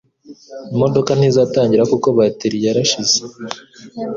Imodoka ntizatangira kuko bateri yarashize.